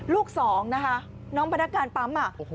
ลูกสองนะคะน้องพนักงานปั๊มอ่ะโอ้โห